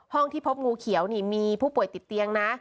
ที่พบงูเขียวนี่มีผู้ป่วยติดเตียงนะ